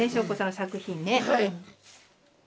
はい。